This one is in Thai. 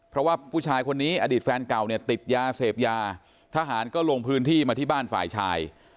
เพราะว่าผู้ชายคนนี้อดีตแฟนเก่าเนี่ยติดยาเสพยาทหารก็ลงพื้นที่มาที่บ้านฝ่ายชาย